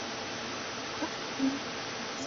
野寒布岬附近。